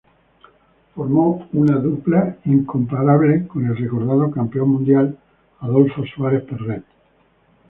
Formó una dupla incomparable con el recordado Campeón Mundial Adolfo Suárez Perret.